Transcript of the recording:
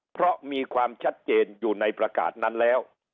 เพราะมีความชัดเจนอยู่ในประกาศนั้นแล้ว